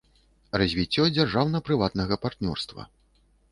Развiццё дзяржаўна-прыватнага партнёрства.